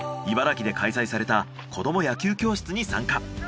茨城で開催された子ども野球教室に参加。